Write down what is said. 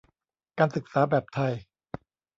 การศึกษาแบบไทย